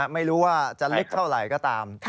ไม่รู้ว่าจะลึกเท่าไหร่ก็ตาม